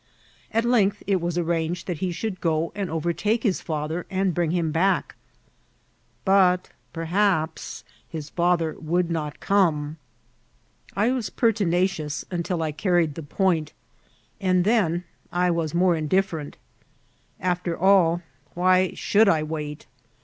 At length it was arranged that he should go and overtake his father and bring him back ; but perhaps his father would not come. I was pertinacious ^mtil I carried the IMGIDBlfTt OF T&ATBL. point, and then I was more indiffBreKL After all, why ahould I wait